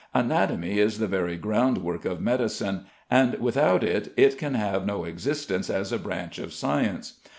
Anatomy is the very groundwork of medicine, and without it it can have no existence as a branch of science.